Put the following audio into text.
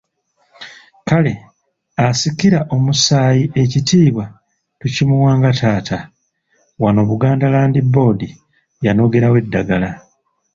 Kale asikira omusaayi ekitiibwa tukikuwa nga taata, wano Buganda Land Board yanogerawo eddagala.